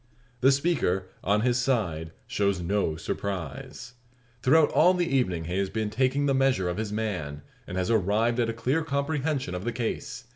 The speaker, on his side, shows no surprise. Throughout all the evening he has been taking the measure of his man, and has arrived at a clear comprehension of the case.